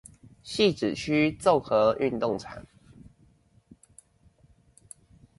汐止區綜合運動場